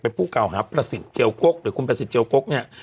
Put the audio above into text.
เป็นผู้เก่าหาประสิทธิ์เจียวกกหรือคุณประสิทธิเจียวกกเนี่ย